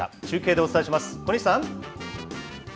中継でお伝えします。